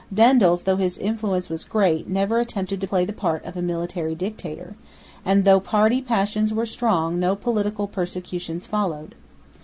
Daendels, though his influence was great, never attempted to play the part of a military dictator; and, though party passions were strong, no political persecutions followed.